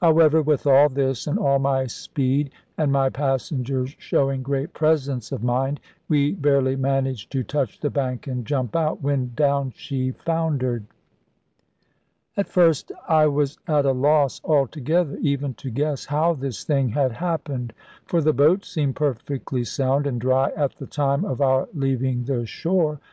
However, with all this, and all my speed, and my passengers showing great presence of mind, we barely managed to touch the bank and jump out, when down she foundered. At first I was at a loss altogether even to guess how this thing had happened; for the boat seemed perfectly sound and dry at the time of our leaving the shore.